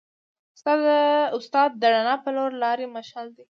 استاد د رڼا په لور د لارې مشعل دی.